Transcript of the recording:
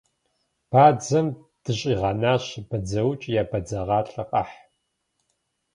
Бадзэм дыщӏигъэнащ, бадзэукӏ е бадзэгъалӏэ къэхь.